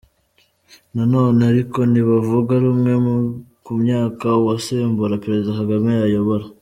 Na none ariko, ntibavuga rumwe ku myaka uwasimbura Perezida Kagame yayobora.